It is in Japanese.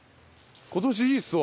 今年いいっすわ。